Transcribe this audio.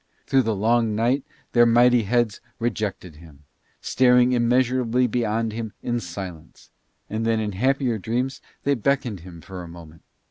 Through the long night their mighty heads rejected him, staring immeasurably beyond him in silence, and then in happier dreams they beckoned him for a moment.